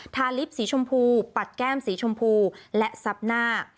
ลิฟต์สีชมพูปัดแก้มสีชมพูและซับหน้า